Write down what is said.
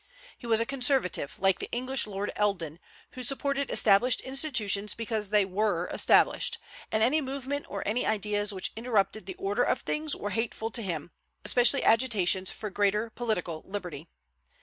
He was a conservative, like the English Lord Eldon, who supported established institutions because they were established; and any movement or any ideas which interrupted the order of things were hateful to him, especially agitations for greater political liberty.